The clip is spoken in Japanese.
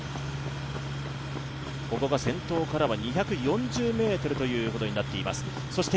ここが先頭からは２４０ｍということになっています。